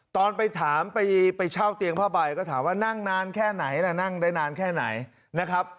ตอนไปถามไปเช่าเตียงผ้าใบก็ถามว่านั่งนานแค่ไหนล่ะนั่งได้นานแค่ไหนนะครับ